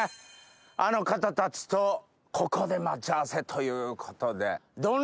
あの方たちとここで待ち合わせということで。